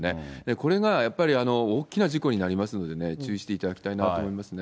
これがやっぱり、大きな事故になりますので、注意していただきたいなと思いますね。